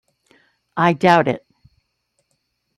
I doubt it.